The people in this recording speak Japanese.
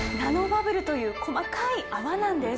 という細かい泡なんです。